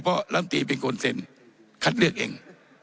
เพราะลำตีเป็นคนเซ็นคัดเลือกเอง